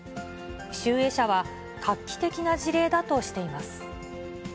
集英社は、画期的な事例だとしています。